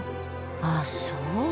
ああそう。